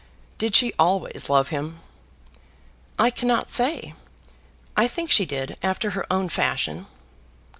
Did she always love him?" "I cannot say. I think she did after her own fashion."